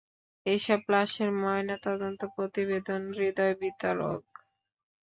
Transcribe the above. এসব লাশের ময়নাতদন্ত প্রতিবেদন হৃদয়বিদারক।